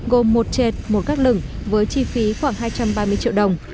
gồm một chệt một các lửng với chi phí khoảng hai trăm ba mươi triệu đồng